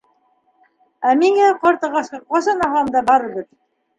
Ә миңә, ҡарт ағасҡа, ҡасан ауһам да барыбер.